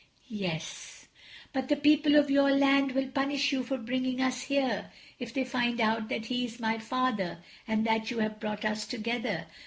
"Yes." "But the people of your land will punish you for bringing us here, if they find out that he is my Father and that you have brought us together.